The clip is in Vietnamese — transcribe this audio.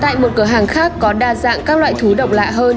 tại một cửa hàng khác có đa dạng các loại thú độc lạ hơn